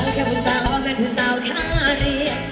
เฮ้าแค่ผู้สาวแม่ผู้สาวข้าเรียก